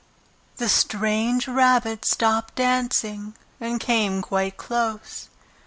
The strange rabbit stopped dancing, and came quite close.